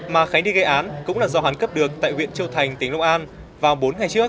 mà khánh đi gây án cũng là do hắn cấp được tại huyện châu thành tỉnh long an vào bốn ngày trước